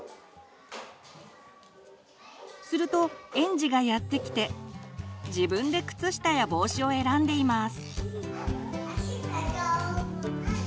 すると園児がやって来て自分で靴下や帽子を選んでいます。